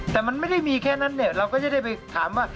แต่มันไม่ได้มีแค่นั้นเนี่ยเราก็จะได้ไปถามว่า